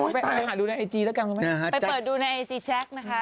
ไปหาดูในไอจีแล้วกันคุณแม่ไปเปิดดูในไอจีแชคนะคะ